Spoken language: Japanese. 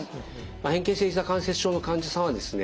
変形性ひざ関節症の患者さんはですね